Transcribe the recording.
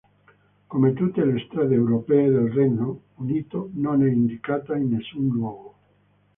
Come tutte le strade europee nel Regno Unito non è indicata in nessun luogo.